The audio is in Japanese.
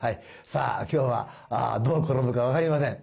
さあ今日はどう転ぶか分かりません。